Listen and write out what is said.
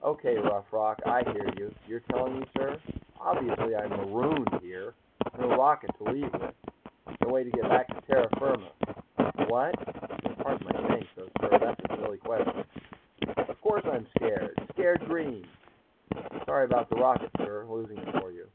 "Okay, Rough Rock, I hear you.... You're telling me, sir?... Obviously, I'm marooned here. No rocket to leave with. No way to get back to terra firma ... what? If you'll pardon my saying so, sir, that's a silly question.... Of course I'm scared! Scared green. Sorry about the rocket, sir, losing it for you....